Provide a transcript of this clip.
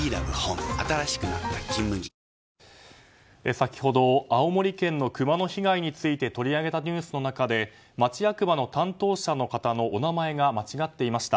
先ほど、青森県のクマの被害について取り上げたニュースの中で町役場の担当者の方のお名前が間違っていました。